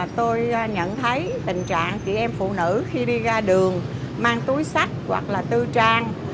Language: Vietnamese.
tôi nhận thấy tình trạng chị em phụ nữ khi đi ra đường mang túi sách hoặc là tư trang